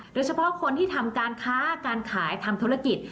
โดยเฉพาะคนที่ทำการค้าการขายทำธุรกิจ